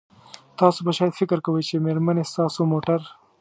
تاسو به شاید فکر کوئ چې میرمنې ستاسو موټر